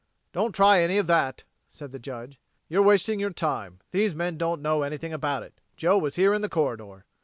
"Don't try any of that," said the Judge. "You're wasting your time. These men don't know anything about it. Joe was here in the corridor."